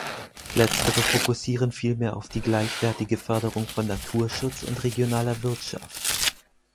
Letztere fokussieren vielmehr auf die gleichwertige Förderung von Naturschutz und regionaler Wirtschaft.